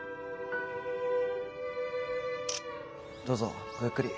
どうぞごゆっくり。